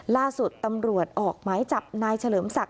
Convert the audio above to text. ล่าสุดตำรวจออกหมายจับนายเฉลิมศักดิ